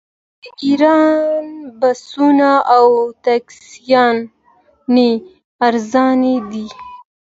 د ایران بسونه او ټکسیانې ارزانه دي.